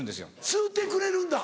吸うてくれるんだ。